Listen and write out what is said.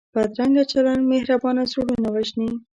بدرنګه چلند مهربان زړونه وژني